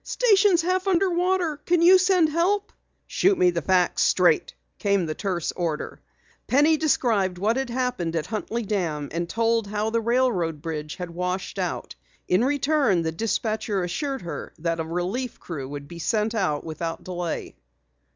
"Station's half under water. Can you send help?" "Shoot me the facts straight," came the terse order. Penny described what had happened at Huntley Dam and told how the railroad bridge had washed out. In return the dispatcher assured her that a relief crew would be sent without delay.